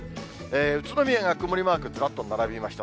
宇都宮が曇りマークずらっと並びました。